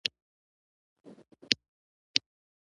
چې د عبادت لپاره له نجاست څخه ځان پاک کړم.